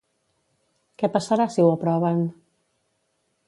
Què passarà si ho aproven?